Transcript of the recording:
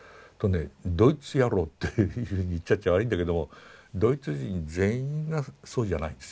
ドイツ野郎っていうふうに言っちゃ悪いんだけどもドイツ人全員がそうじゃないんですよ。